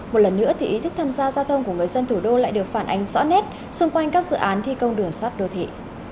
một lần nữa thì ý thức tham gia giao thông của người dân thủ đô lại được phản ánh rõ nét xung quanh các dự án thi công đường sắt đô thị